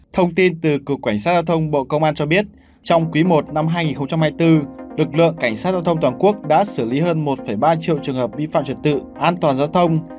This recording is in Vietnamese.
thông tin từ cục cảnh sát giao thông bộ công an cho biết trong quý i năm hai nghìn hai mươi bốn lực lượng cảnh sát giao thông toàn quốc đã xử lý hơn một ba triệu trường hợp vi phạm trật tự an toàn giao thông